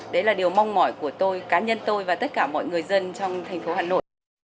đấy là điều mong mỏi của tôi cá nhân tôi và tất cả mọi người dân trong thành phố hà nội